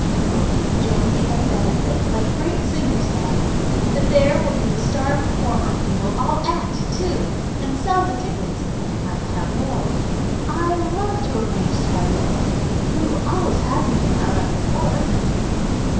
We'll give Jonesy a benefit, like great singers have. The bear will be the star performer, and we'll all act, too, and sell the tickets, and have tableaux. I love to arrange tableaux. We were always having them out at the fort."